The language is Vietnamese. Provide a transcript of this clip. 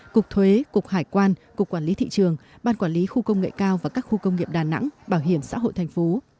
cục thuế cục hải quan cục quản lý thị trường ban quản lý khu công nghệ cao và các khu công nghiệp đà nẵng bảo hiểm xã hội thành phố